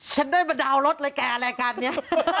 ฉันได้มาดาวน์รถเลยแกรายการนี้